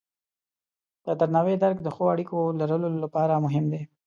د درناوي درک د ښو اړیکو لرلو لپاره مهم دی.